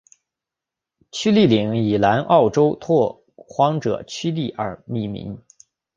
屈利岭以南澳州拓荒者屈利而命名。